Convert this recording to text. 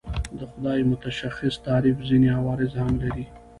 د خدای متشخص تعریف ځینې عوارض هم لري.